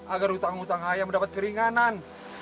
agar hutang hutang ayam mendapat keringanan